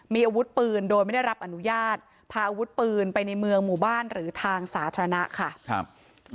มีอาวุธปืนโดยไม่ได้รับอนุญาตพาอาวุธปืนไปในเมืองหมู่บ้านหรือทางสาธารณะค่ะครับ